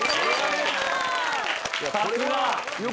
さすが！